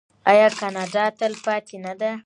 آیا کاناډا تلپاتې نه ده؟